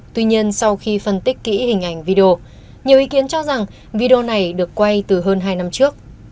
tuy nhiên sau khi phân tích kỹ hình ảnh video nhiều ý kiến cho rằng video này được quay từ hơn hai năm trước